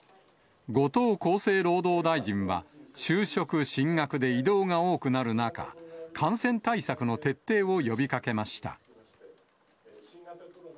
後藤厚生労働大臣は、就職、進学で移動が多くなる中、感染対策の徹底を呼びかけました。